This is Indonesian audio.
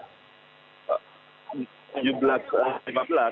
kita sudah membuat informasi